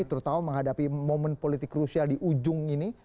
terutama menghadapi momen politik krusial di ujung ini